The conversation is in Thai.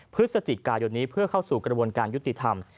พฤศจิกายนนี้เพื่อเข้าสู่กระบวนการยุติธรรม